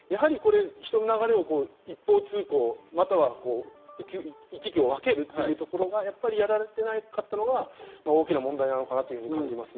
人の流れを一方通行、または行き来を分けるというところがやられていなかったのが大きな問題なのかなと感じます。